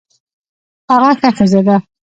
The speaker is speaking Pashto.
هغه ښه ښځه ده